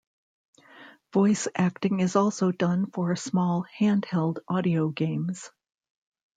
Voice acting is also done for small handheld audio games.